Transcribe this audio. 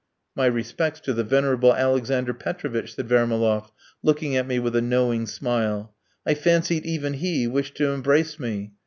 "My respects to the venerable Alexander Petrovitch," said Vermaloff, looking at me with a knowing smile. I fancied even he wished to embrace me.